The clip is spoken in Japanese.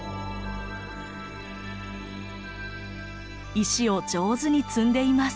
石を上手に積んでいます。